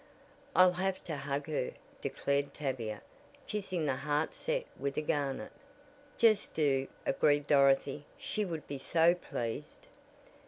"I'll have to hug her," declared Tavia, kissing the heart set with a garnet. "Just do," agreed Dorothy, "she would be so pleased."